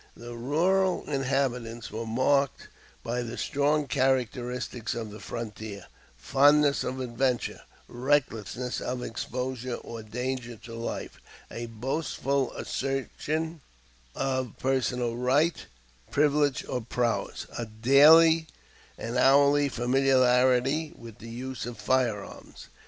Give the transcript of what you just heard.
The rural inhabitants were marked by the strong characteristics of the frontier, fondness of adventure, recklessness of exposure or danger to life, a boastful assertion of personal right, privilege, or prowess, a daily and hourly familiarity with the use of fire arms.